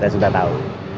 saya sudah tau